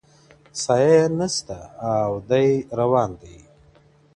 سایه یې نسته او دی روان دی~